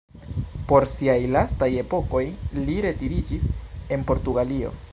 Por siaj lastaj epokoj li retiriĝis en Portugalio.